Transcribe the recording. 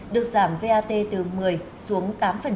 được giảm vat từ một mươi xuống tám